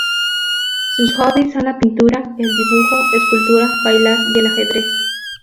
Sus hobbies son la pintura, el dibujo, escultura, bailar y el ajedrez.